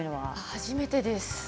初めてです。